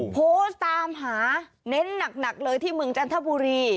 โพสต์ตามหาเน้นหนักเลยที่เมืองจันทบุรี